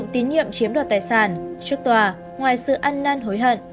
đậm chiếm đoạt tài sản trước tòa ngoài sự ăn năn hối hận